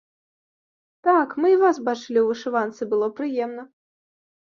Так, мы і вас бачылі ў вышыванцы, было прыемна.